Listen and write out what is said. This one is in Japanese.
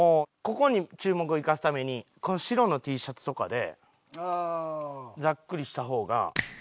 ここに注目いかすためにこの白のＴシャツとかでざっくりした方が。